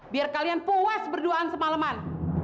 biar kalian puas berduaan semalaman